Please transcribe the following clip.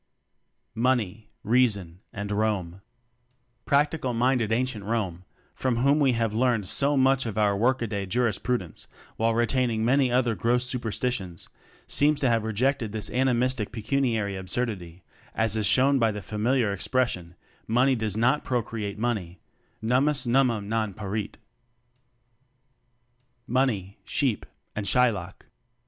Money, Reason and Rome. Practical minded ancient Rome, from whom we have learned so much of pur work a day jurispru dence while retaining many other gross superstitions seems to have rejected this animistic pecuniary absurdity, as is shown by the familiar expression: Money does not procreate money "Nummus nummum non parit/' Money, Sheep and Shylock.